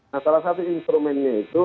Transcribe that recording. nah salah satu instrumennya itu